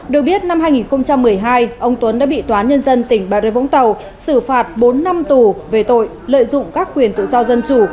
được biết năm hai nghìn một mươi hai ông tuấn đã bị tòa nhân dân tỉnh bà rê vũng tàu xử phạt bốn năm tù về tội lợi dụng các quyền tự do dân chủ